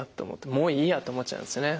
もういいやって思っちゃいますよね。